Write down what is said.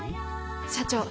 社長